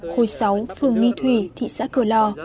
hồi sáu phường nghi thủy thị xã cửa lò